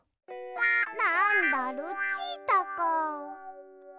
なんだルチータか。